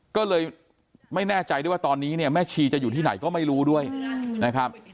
ก็เลยไม่แน่ใจด้วยว่าตอนนี้เนี่ยแม่ชีจะอยู่ที่ไหนก็ไม่รู้ด้วยนะครับ